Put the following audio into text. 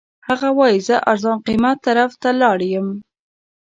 هغه وایي زه ارزان قیمت طرف ته لاړ یم.